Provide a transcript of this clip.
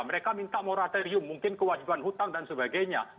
mereka minta moratorium mungkin kewajiban hutang dan sebagainya